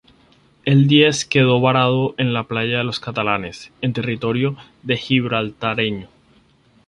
El "Díez" quedó varado en la Playa de los Catalanes, en territorio gibraltareño.